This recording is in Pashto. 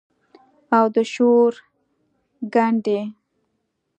او د شور ګنډي